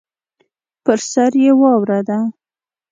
پر سر یې واوره ده.